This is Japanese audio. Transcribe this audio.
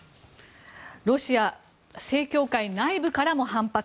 ロシア正教会内部からも反発。